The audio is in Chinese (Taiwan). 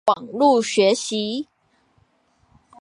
網路學習